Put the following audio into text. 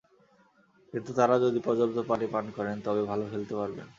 কিন্তু তাঁরা যদি পর্যাপ্ত পানি পান করেন, তবে ভালো খেলতে পারবেন।